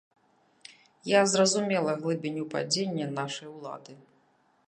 Я зразумела глыбіню падзення нашай улады.